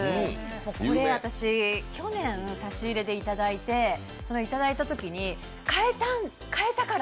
これ私、去年差し入れでいただいていただいたときに買えたから！